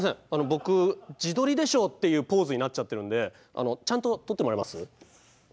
僕「自撮りでしょ」っていうポーズになっちゃってるんでちゃんと撮ってもらえます？